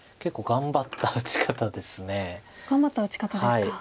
頑張った打ち方ですか。